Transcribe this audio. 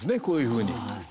こういうふうに。